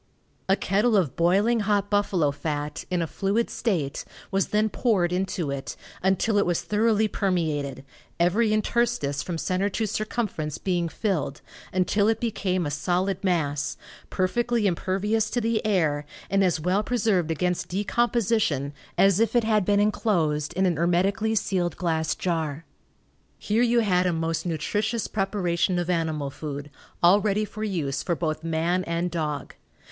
A kettle of boiling hot buffalo fat, in a fluid state, was then poured into it, until it was thoroughly permeated, every interstice from center to circumference being filled, until it became a solid mass, perfectly impervious to the air, and as well preserved against decomposition as if it had been enclosed in an hermetically sealed glass jar. Here you had a most nutritious preparation of animal food, all ready for use for both man and dog.